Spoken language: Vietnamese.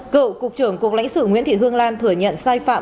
cựu cục trưởng cục lãnh sự nguyễn thị hương lan thừa nhận sai phạm